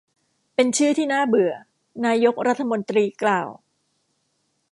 เป็นชื่อที่น่าเบื่อ นายกรัฐมนตรีกล่าว